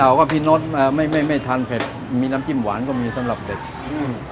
ว่าพี่โน๊ตอ่าไม่ไม่ทานเผ็ดมีน้ำจิ้มหวานก็มีสำหรับเด็กอืม